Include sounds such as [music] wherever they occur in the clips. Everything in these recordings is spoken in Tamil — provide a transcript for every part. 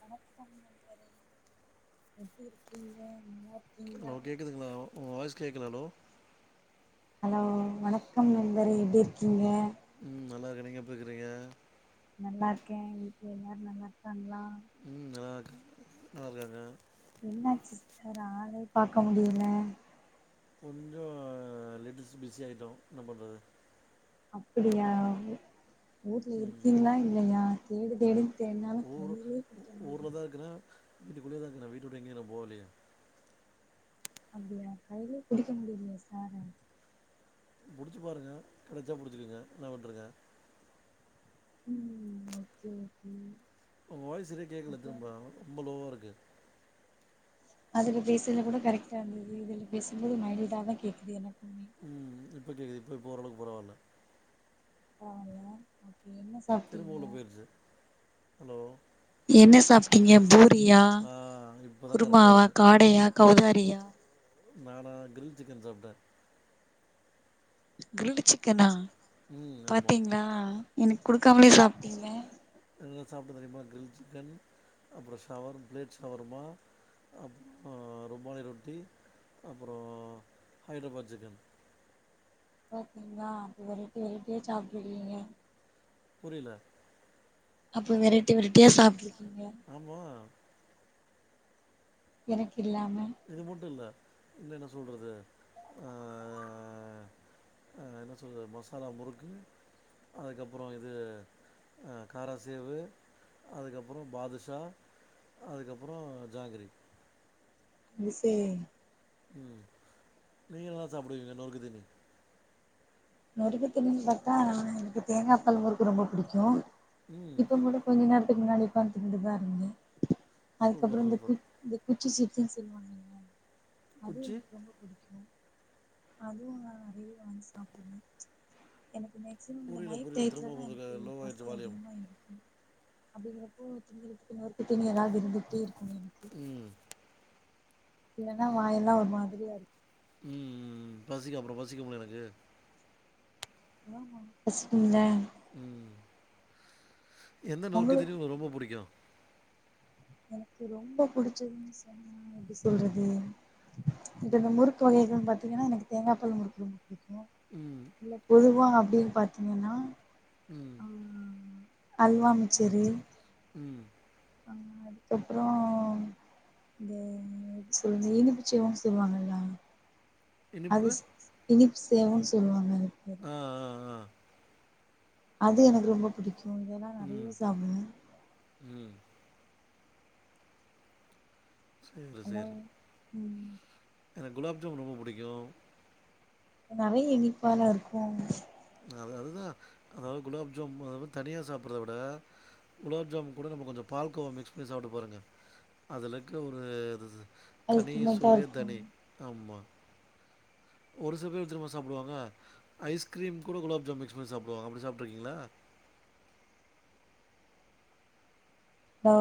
வணக்கம் நண்பரே எப்டி இருக்கீங்க நல்லா ஹலோ இருக்கீங்ளா கேட்குதுங்களா உங்க வாய்ஸ் கேக்கல ஹலோ ஹலோ வணக்கம் நண்பரே எப்டி இருக்கீங்க ம் நல்லா இருக்க நீங்க அப்டி இருக்குறீங்க நல்லா இருக்கே வீட்ல எல்லாரு நல்லா இருக்காங்ளா ம் நல்லா இருக்கா நல்லா இருக்காங்க என்னாச்சி சார் ஆளே பாக்க முடியல கொஞ்சோ லீட்டீஸ் பிஸி ஆகிட்டோ என்ன பண்றது அப்படியா ஊர்ல ம் இருக்கீங்ளா இல்லையா தேடு தேடு னாலு கையிலயே பிடிக்க முடியிலைங் இப்ப கிரா வீட்டுகுள்ளயேதா இருக்குற வீட்ட விட்டு எங்கேயும் நா போகலயே அப்டியா கையிலயே புடிக்க முடியலையே சார புடிச்சி பாருங்க கெடைச்சா புடிச்சிருங்க இல்லன விட்ருங்க ம் ஓகே ஓகே உங்க வாய்ஸ் சேரியா கேக்கல அப்றோ திரும்பா ரொம்ப லோவாக இருக்கு அதுல பேசுனா கூட கரெக்டா இருந்தது இதுல பேசும்போது மைல்ட்டா தா கேக்குது எனக்குமே ம் இப்போ கேக்குது இப்போ ஓரளவுக்கு பரவால்ல பரவால்ல ஓகே என்ன ச திரும்பு உள்ள போயிட்சி ஹலோ என்ன சாப்டீங்க பூரியா ஆ இப்போ தா கரெக்டா குருமாவா இருக்கு காடையா கௌதாரியா நானா கிரில் சிக்கன் சாப்டே கிரில்டு சிக்கனா ம் ஆமா பாத்தீங்ளா எனக்கு குடுக்காமலே சாப்டீங்க என்னென்ன சாப்டே தெரிமா கிரில் சிக்கன் அப்றோ ஷவர் பிளேட் ஷவர்மா அப்றமா ருமாலையா ரொட்டி அப்றோ ஹைதராபாத் சிக்கன் பாத்தீங்ளா அப்ப வெரைட்டி வெரைட்டியா சாப்டு இருக்கீங்க புரிலா அப்ப வெரைட்டி வெரைட்டியா சாப்டிருக்கீங்க ஆமா எனக்கு இல்லாம இது மட்டு இல்ல இன்னு என்ன சொல்றது ஆ ஆ ஆ என்ன சொல்றது மசாலா முறுக்கு அதுக்கப்றோ இது ஆ கார சேவு அதுக்கப்றோ பாதுஷா அதுக்கப்றோ ஜாங்கிரி யூ சே ம் நீங்க என்னா சாப்புடுவீங்க நொறுக்கு தினி நொறுக்குதிணிண்னு பாத்தா எனக்கு தேங்கா பால் முறுக்கு ரொம்ப புடிக்கு ம் இப்பங் கூட கொஞ்ச நேரத்துக்கு முன்னாடி ஒக்காந்து திண்ணுட்டுதா இருந்த அதுக்கப்றோ சூப்பர் இந்த சூப்பர் குச் குச்சி சீப்ஸ்னு சொல்வாங்கல்ல அதுவு குச்சி எனக்கு ரொம்ப புடிக்கு அதுவு நா நறையவே வாங்கி சாப்புடுவே எனக்குமே மேக்ஸிமம் இந்த புரியல நைட் புரியல டையத்துல திரும்ப தா கொஞ்சம் எனக்கு லோவாகிட்டு பசி வால்யூம் அதிகமா எடுக்கு அப்புடீங்கிறப்போ திங்கறதுக்கு நொறுக்கு தீனி எதாவது இருந்துட்டே இருக்குனோ எனக்கு ம் இல்லனா வாயல்லா ஒரு மாதிரியா இருக்கு ம் ம் ம் பசிக்கோ அப்புறோ பசிக்கும்ல எனக்கு ஆமா பசிக்கும்ல ம் எந்த நொற்குதீனி உங்களுக்கு உங்குளுக்கு ரொம்ப புடிக்கோ எனக்கு ரொம்ப புடிச்சதுன்னு சொன்னா எப்டி சொல்றது இப்ப இந்த முறுக்கு வகைகள் பாத்தீங்கன்னா எனக்கு தேங்கா பால் முறுக்கு ரொம்ப புடிக்கோ ம் இல்ல பொதுவா அப்டீன்னு பாத்தீங்கன்னா ம் அ அ அல்வா மிச்சறு ம் ஆ அதுக்கப்புறோ இந்த சேவ சேவுனு சொல்லுவாங்கல்யா அது இனிப்பு இனிப்பு சேவுன்னு சொல்லுவாங்க அதுக்குப்பேரு ஆ ஆ அது எனக்கு ரொம்ப பிடிக்கோ இதெல்லா ம் நறைய சாப்புடுவே ம் சரி ஹலோ சரி ம் எனக்கு குலாப் ஜாமுன் ரொம்ப புடிக்கோ நறைய இனிப்பால இருக்கோ அது அதுதா அதாவது குலாப் ஜாமுன் அந்த மாரி தனியா சாப்புடுறத விட குலாப் ஜாம் கூட நம்ம கொஞ்சோ பால் கோவா மிக்ஸ் பண்ணி சாப்ட்டு பாருங்க அதுல இருக்க ஒரு தனி அல்டிமேட்டா சுவையே இருக்கு தனி ஆமா ஒரு சில பேர் எப்டி தெரியுமா சாப்புடுவாங்க ஐஸ் க்ரீம் கூட குலாப் ஜாமு மிக்ஸ் பண்ணி சாப்புடுவாங்க அப்டி சாப்பிட்ருக்கீங்களா ஹலோ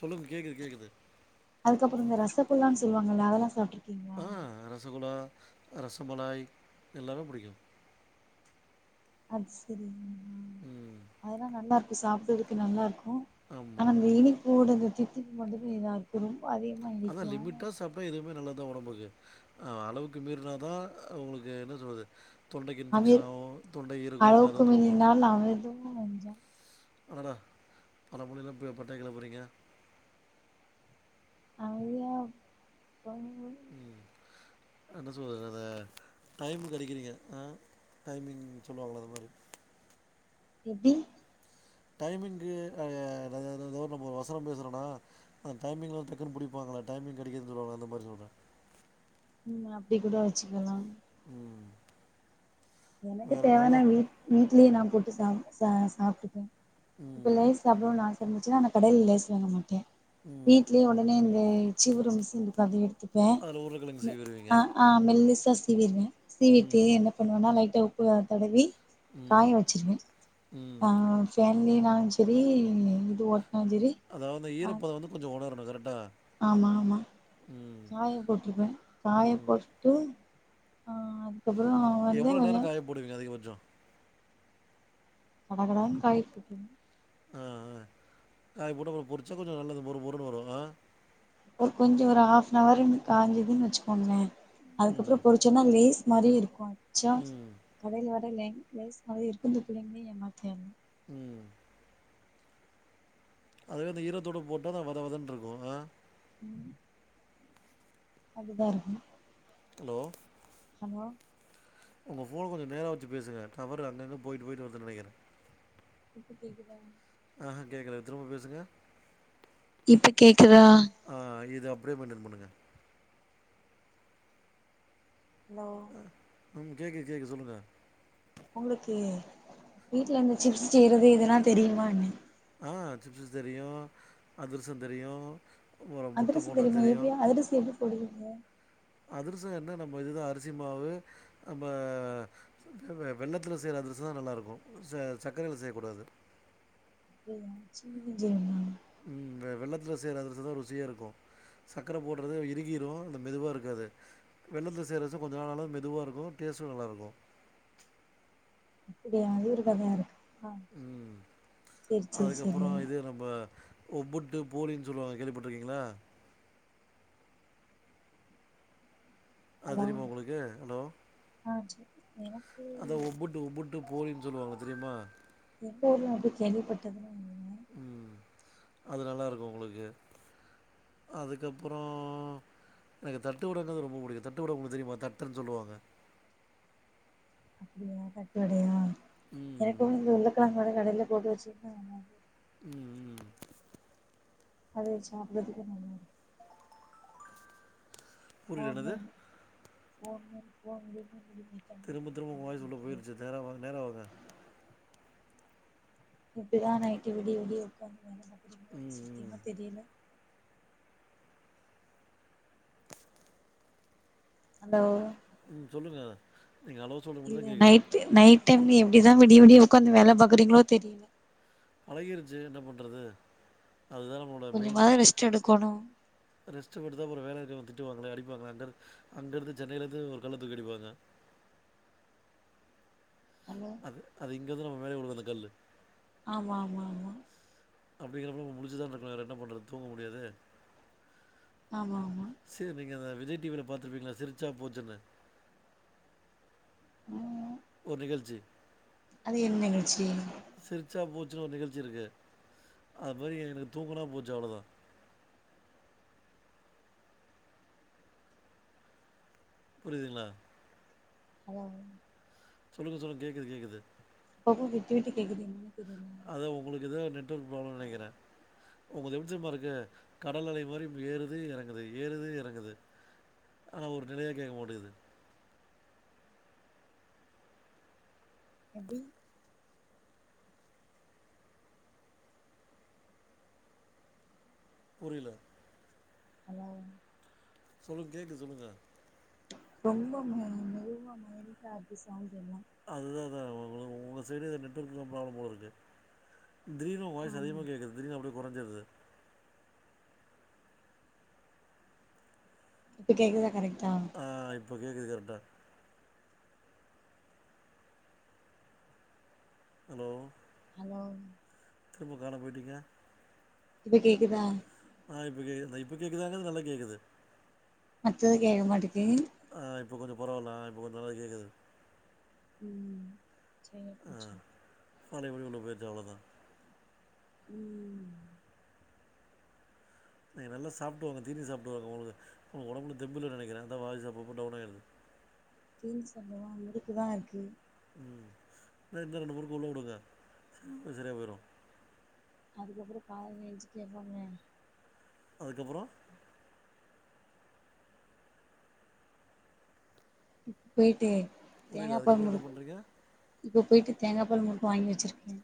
சொல்லுங்க கேக்குது கேக்குது அதுக்கப்புறோ இந்த ரசகுல்லானு சொல்லுவாங்க அதெல்லா சாப்ட்ருக்கீங் ஆ ரசகுலா ரசமலாய் எல்லாமே புடிக்கோ அது செரி ம் ம் அதெல்லா நல்லா இருக்கு சாப்புடுறதுக்கு நல்லா இருக்கோ ஆனா ஆமாம் இந்த இனிப்போட இந்த தித்திப்பு மட்டுமே இதா இருக்கோ ரொம்ப அதிக அதா லிமிட்டா சாப் அப்ப எதுவுமே நல்லதா ஒடம்புக்கு அளவுக்கு மீறினாதா உங்குளுக்கு என்ன சொல்றது தொண்டைக்கு இன்ஃபெக்ஷன் அமிர் ஆவோ தொண்டைக்கு இருகோ எல்லா தொந்தரவு பண்ணு அமிர்தமு நஞ்சா அடடா பழமொழிலா இப்ப பட்ட கெளப்புறீங்க அவர யாப் கம்பங்கூழு ம் என்ன சொல்றது அத டைமுக்கு அடிக்கிறீங்க ஆ டைமிங் சொல்லுவாங்கல அத மாரி எப்டி டைமிங்கு அப்றோ ஏதோதோ நம்ம ஒரு வசனோ பேசுறனா ஆமா டைமிங் எல்லா டக்குன்னு பிடிப்பாங்கல டைமிங் அடிக்குதுன்னு சொல்லவாங்கல இந்த மாதிரி சொல்றே ம் அப்டி கூட வெச்சுக்கலா உம் எனக்கு தேவனா வீட் வீட்லயே நா போட்டு சா ச சாப்ட்டுப்பே இப்ப ம் லேஸ் சாப்னுனு ஆச இருந்துச்சுன்னா நா கடையில லேஸ் வாங்க மாட்டே ம் வீட்லயே உடனே இந்த சிவுறு மிஷின்ருக்கு அது எடுத்துப்பே அதுல உருளக்கெழங்கு மெ சீவிருவீங்க ஆ ஆ மெல்லிஸா சீவிடுவே சீவிட்டு ம் என்ன பண்ணுவன்னா லைட்டா உப்பு தடவி ம் காய வெச்சிருவே ம் அ ஃபேன்லினாலு சரி இது ஒட்னா சரி அதாவுது ஈரப்பத வந்து கொஞ்ச உணரணு கரெக்டா ஆமா ஆமா ம் காய போட்ருப்பே காய ம் போட்டு ஆ கப்புறோ எவ்ள நேர காய போடுவிங்க அதிகபச்சொ கட கடான் காய போட்ருவே ஆ ஆ காய போட்டு அப்புற பொரிச்சா கொஞ்ச நல்லது மொறு மொறுன்னு வரு ஆ ஒரு கொஞ்சொ ஒரு ஹாஃப்ன் அவர் காஞ்சுதுன் வெச்சுக்கோங்ளே அதுக்கப்புறோ ம் பொரிச்சோன்னா லேஸ் மாரி இருக்கு அச்சா ம் கடையில வர லெ லேஸ் மாரி இருக்கு இந்த பிள்ளைங்களே ஏமாத்திர்ல ம் அதுவே இந்த ஈரத்தோடு போட்டா அது வத வதன்ருக்கு அ ம் அப்டிதா இருக்கு ஹலோ ஹலோ உங்க ஃபோன் கொஞ்ச நேரா வெச்சு பேசுங்க டவரு அங்க அங்க போயிட்டு போயிட்டு வருதுன் நெனைக்கிற இப்ப கேக்குதா ஆஹா கேக்கல திரும்ப பேசுங்க இப்ப கேக்குதா ஆ இது அப்டியே மெயின்டன் பண்ணுங்க ஹலோ ம் கேக்கு கேக்கு சொல்லுங்க உங்களுக்கு வீட்ல இந்த சிப்ஸ் செய்யறது இதெல்லா தெரியுமா என்ன ஆ சிப்ஸ் தெரியு அதர்ச தெரியு அத்ரச தெரியுமா எப்பயா அத்ரச எப்டி போடுவீங்க அத்ரச என்ன நம்ம இதுதா அரிசி மாவு நம்ம வ வ வெள்ளத்துல செய்ற அத்ரச தா நல்லாருக்கு ச சக்கரைள செய்யக்கூடாது அ [unintelligible] செய்யனுமா ம் வெ வெள்ளத்துல செய்ற அத்ரசதா ருசியா இருக்கு சர்கக்க போடுறது இறுகிரு அந்த மெதுவா இருக்காது வெள்ளத்துல செய்ரச கொஞ்ச நாள் நாலு மெதுவா இருக்கு டேஸ்டு நல்லா இருக்கு அப்டியா இரு கதையா இருக்கு ம் சேரி சேரி அதுக்கப்புறோ இது நம்ப ஒ புட்டு போலின்னு சொல்லுவாங்க கேள்விப்பட்டுருக்கீங்களா அ ஹலோ தெரியுமா உங்களுக்கு ஹலோ ஆ சேரி எனக்கு அத ஒபு உபுட்டு போறின் சொல்லுவாங்க தெரியுமா எப்பயோ ஒரு வாட்டி கேள்விப்பட்டதுதா ம் அது நல்லா இருக்கு உங்களுக்கு அதுக்கப்புறோ எனக்கு தட்டுவடனா ரொம்ப புடிக்கு தட்டுவட உங்ளுக் தெரிமா தட்டன் சொல்லுவாங்க அப்டியா தட்டுவடையா ம் எனக்கு இந்த உர்ளக்கிழங்கோட கடைல போட்டு வச்சிர்ந்தாங்கள ம் ம் அது வச் சாப்புறதுக்கு நல்லாரு புரியல ஃபோன் என்னது வேணு ஃபோன் வேணு ஃபோன் வேணுன் சொல்லி தி திரும்ப திரும்ப உங்க வாய்ஸ் உள்ள போய்ர்ச்சு நேரா வாங்க நேரா வாங்க எப்டிதா நைட்டு விடிய விடிய உக்காந்து வேலபாக்குறீங்ளோ எனக் ம் ம் சத்தியமா தெரில அந்த ஓ ம் சொல்லுங்க நீங்க ஹலோ சொல்றது மட்டுந்தா இல்ல கேக்குது நைட் டைம் நைட் டைம்ல எப்டிதா விடிய விடிய ஒக்காந்து வேல பாக்குறீங்ளோ தெரில பழகிருச்சு என்ன பண்றது அதுதா நம்மளோட மெய்ன் கொஞ்சமாவது ரெஸ்ட் எடுக்கணு ரெஸ்ட்டு போட்டுதா அப்புறோ வேல இருக்கு திட்டுவாங்களே அடிப்பாங்களே அங்கரு அங்கருந்து சென்னைல இருந்து ஒரு கல்ல தூக்கி அடிப்பாங்க ஹலோ அது அது இங்க வந்து நம்ம மேலே உழுகு அந்த கல்லு ஆமாம்மாம்மா அப்டிங்கிறப்போ நம்ம முழுச்சுதா இருந்திர்க்ணு வேற என்ன பண்றது தூங்க முடியாது ஆமா ஆமா சேர் நீங்க அந்த விஜய் டி வி ல பாத்துருப்பீங்ள சிரிச்சா போச்சுனு ம் ஒரு நிகழ்ச்சி அது என் நிகழ்ச்சி சிரிச்சா போச்சுனு ஒரு நிகழ்ச்சி இருக்கு அது மாரி எனக்கு தூங்குனா போச்சு அவுளோதா புரிதுங்ளா ஹலோ சொல்லுங்க சொல்லுங்க கேக்குது கேக்குது அப்பப்ப விட்டு விட்டு கேக்குது என்னனே தெரில அதா உங்ளுக்கு எதோ நெட்வொர்க் ப்ராப்ளம் நெனைக்கிற உங்குள்து எப்டி தெரிமா இருக்கு கடல் அலை மாரி ஏறுது எறங்குது ஏறுது எறங்குது ஆனா ஒரு நிலையா கேக்க மாட்டேங்கிது எப்டி புரில ஹலோ சொல்லுங் கேக்கு சொல்லுங்க ரொம்ப மெ மெதுவா மைல்டா இருக்கு சவுண்டெல்லா அதேதா உங்குளுக் உங்க சைடு எதோ நெட்வொர்க்ல ப்ராப்ளம போல இருக்கு திடீர்னு வாய்ஸ் ஆமா அதிகமாகேக்குது திடீர்னு அப்டியே கொறஞ்சிர்து இப்ப கேக்குதா கரெக்ட்டா ஆ இப்போ கேக்குது கரெக்ட்டா ஹலோ ஹலோ திரும்ப காணாம் போய்ட்டீங்க இப்ப கேக்குதா ஆ இப்ப கேக்குது இப்ப கேக்குதாங்க நல்லா கேக்குது அடுத்தது கேக்க மாட்டிக்கி ஆ இப்போ கொஞ்ச பரவால ஆ இப்ப கொஞ்ச நல்லா கேக்குது ம் செரியா அ போச்சு பழைய படி உள்ள போயிச்சி அவ்ளோதா ம் நீங்க நல்லா சாப்ட்டு வாங்க தீனி சாப்டு வாங்க உங்களுக்கு ஒடம்புல தெம்பு இல்லனு நெனக்கிறே அதா வாய்ஸ் அப்போ அப்போ டவுன் ஆகுது [unintelligible] ம் இல்ல இன்னு ரெண்டு முறுக்கு உள்ள வுடுங்க இன்னு சரியா போய்று அதுக்கப்புற காத எஞ்சு கேப்பாங்க அதுக்கப்புற போயிட்டு தேங்கா புரியல பால் அதுக்கப்புறம் என்ன முறுக் பண்ணுறீங்க இப்ப போயிட்டு தேங்கா பால் முறுக்கு வாங்கி வச்சிருக்கே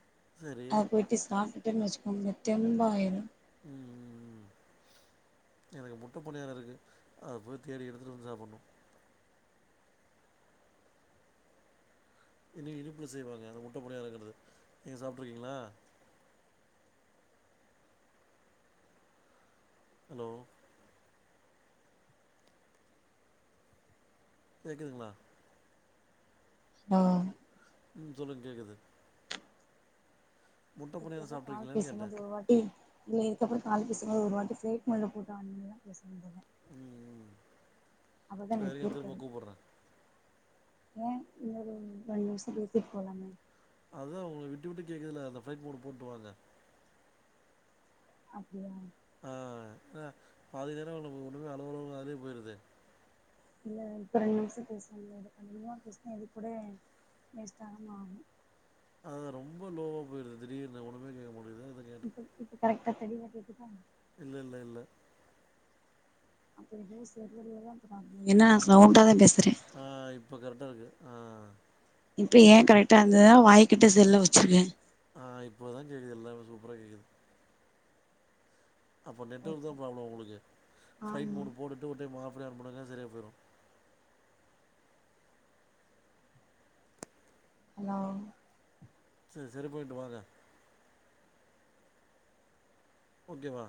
சரி அத போயிட்டு சாப்ட்டு டன் வச்சுக்கோங்க தெம்பாயிரு ம் ம் ம் எனக்கு முட்ட பணியார இருக்கு அத போய் தேடி எடுத்துட்டு வந்து சாப்புன்ணு இன்னி இனிப்பில செய்வாங்க அந்த முட்ட பணியாறங்கிறது நீங்க சாப்ட்ருக்கீங்களா ஹலோ கேக்குதுங்களா ஆ ம் சொல்லுங்க கேக்குது பணியாரம் இதுக்க கால் சாப்பிட்ருக்கீங்களான்னு பேசும் போது கேட்டேன் வருவா எ இல்ல இதுக்கப்புற கால் பேசும்போது ஒரு வாட்டி ஃபிலெட் மோட்ல போட்டு ஆன் பண்ணிதா பேசும் போது ம் ம் அப்பதா எனக்கு சரிங்க கேக்கு திரும்ப கூப்பிட்றேன் ஏ இன்னொரு ரெண்டு நிமிஷோ பேசிட்டு போலாமே அதா உங்களுக்கு விட்டு விட்டு கேக்குதுல அந்த ஃப்ளைட் மோடு போட்டு வாங்க அப்டியா ஆ பாதி நேர ஒண்னுமே அளவு அளவு அதயே போயிருது இல்ல இப்ப ரெண்டு நிமிஷ பேசாமுடியாது கண்டிப்பா பேசினா இது கூட வேஸ்ட் ஆகு அது ரொம்ப லோவா போயிருது திடீர்னு ஒன்னுமே கேக்க முடியுது அதா இப்ப இப்ப கரெக்டா தெளிவா கேக்குதா இல்ல இல்ல இல்ல அப்ப எதோ செல்லுல தா ப்ராப்லம் என்னா நா ம் சாவுண்டா தா பேசுற ஆ இப்போ கரெக்டா இருக்கு ஆ இப்ப ஏ கரெக்டா இருந்ததுனா வாய்கிட்ட செல்ல வச்சிருவெ ஆ இப்போ தா கேக்குது எல்லாம சூப்பர கேக்குது அப்போ நெட்ஒர்க் ஓகே தான் ப்ராப்ளம் உங்களுக்கு ஃப்ளைட் ஆமா மூட் போட்டு ஒரு டைம் ஆஃப் பண்ணி ஆன் பண்ணாங்க சரியாக போயிறு ஹலோ சரி சரி போயிட்டு வாங்க ஓகேவா